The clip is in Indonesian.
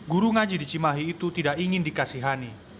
guru ngaji dicimahi itu tidak ingin dikasihani